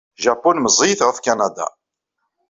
Japun meẓẓiyet ɣef Kanada.